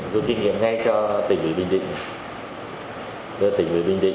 rút kinh nghiệm ngay cho tỉnh bình định